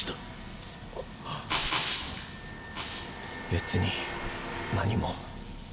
別に何も。